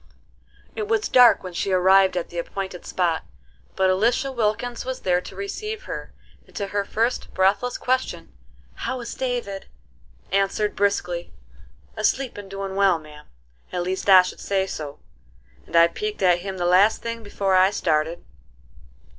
It was dark when she arrived at the appointed spot; but Elisha Wilkins was there to receive her, and to her first breathless question, "How is David?" answered briskly: "Asleep and doin' well, ma'am. At least I should say so, and I peeked at him the last thing before I started."